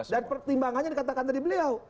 pertimbangannya dikatakan tadi beliau